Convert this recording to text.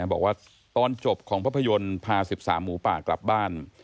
คุณบอกว่าตอนจบของพระพะยนต์พาสิบสามหมูป่ากลับบ้าน